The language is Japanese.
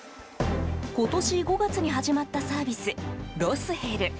今年５月に始まったサービスロスヘル。